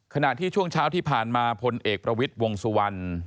ขณะที่ช่วงเช้าที่ผ่านมาพลเอกประวิทย์วงสุวรรณ